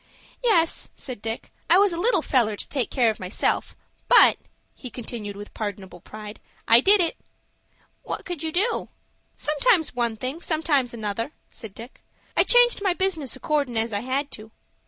"Yes," said Dick, "I was a little feller to take care of myself, but," he continued with pardonable pride, "I did it." "What could you do?" "Sometimes one thing, and sometimes another," said Dick. "I changed my business accordin' as I had to.